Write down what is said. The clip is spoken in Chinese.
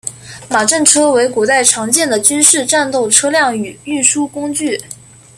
马战车为古代常见的军事战斗车辆与运输工具。